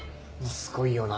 すごいよな。